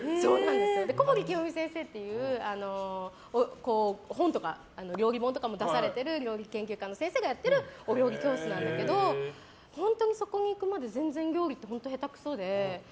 小堀紀代美さんっていう料理本とかも出されている料理研究家の先生がやってるお料理教室なんだけど本当にそこにいくまで料理が下手くそで。